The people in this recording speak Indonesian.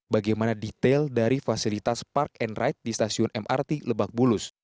bagaimana detail dari fasilitas park and ride di stasiun mrt lebak bulus